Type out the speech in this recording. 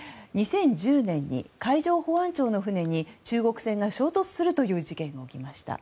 ２０１０年に海上保安庁の船に中国船が衝突するという事件が起きました。